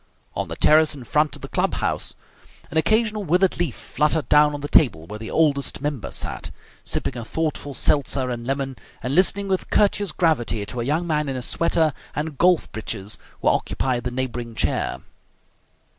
On the terrace in front of the club house an occasional withered leaf fluttered down on the table where the Oldest Member sat, sipping a thoughtful seltzer and lemon and listening with courteous gravity to a young man in a sweater and golf breeches who occupied the neighbouring chair.